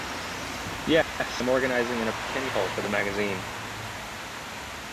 Yes, I am organizing an opinion poll for the magazine.